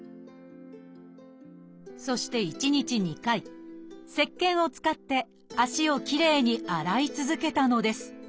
そして１日２回せっけんを使って足をきれいに洗い続けたのです。